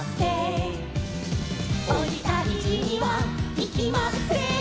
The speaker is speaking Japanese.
「おにたいじにはいきません」